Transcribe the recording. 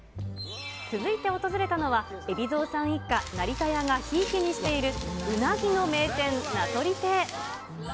続いて訪れたのは、海老蔵さん一家、成田屋がひいきにしているウナギの名店、名取亭。